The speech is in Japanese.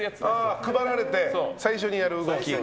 配られて最初にやる動き。